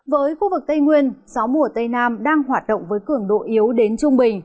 với khu vực tây nguyên gió mùa tây nam đang hoạt động với cường độ yếu đến trung bình